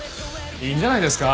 いいんじゃないですか？